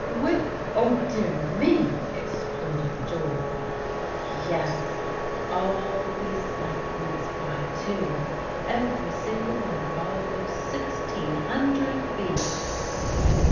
"Whick oh, dear me!" exploded Joel. "Yes; all the beasts liked mince pie too, every single one of all those sixteen hundred beasts."